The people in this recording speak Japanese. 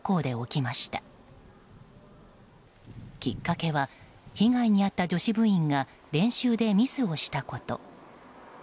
きっかけは被害に遭った女子部員が練習でミスをしたこと。